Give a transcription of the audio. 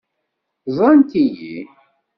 Ẓrant-iyi.